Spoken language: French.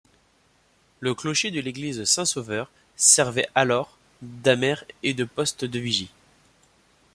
Le clocher de l'église Saint-Sauveur servait alors d'amer et de poste de vigie.